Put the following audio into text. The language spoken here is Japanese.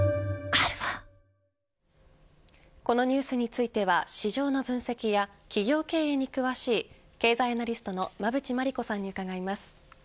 このニュースについては市場の分析や企業経営に詳しい経済アナリストの馬渕磨理子さんに伺います。